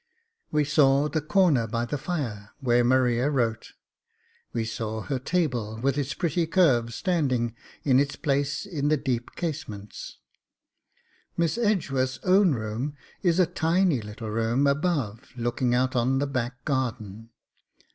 We saw the corner by the fire where Maria wrote; we saw her table with its pretty curves standing in its place in the deep casements. Miss Edgeworth's own room is a tiny little room above looking out on the back garden.